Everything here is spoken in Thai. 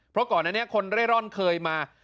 เพราะก่อนอันนี้คนเร่ร่อนเคยมา